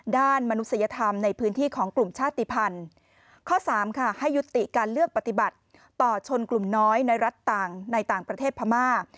มนุษยธรรมในพื้นที่ของกลุ่มชาติภัณฑ์ข้อสามค่ะให้ยุติการเลือกปฏิบัติต่อชนกลุ่มน้อยในรัฐต่างในต่างประเทศพม่า